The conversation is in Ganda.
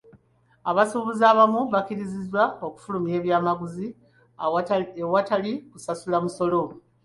Abasuubuzi abamu bakkiriziddwa okufulumya ebyamaguzi ewatali kusasula musolo.